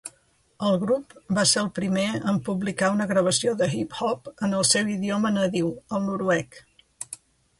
El grup va ser el primer en publicar una gravació de hip-hop en el seu idioma nadiu, el noruec.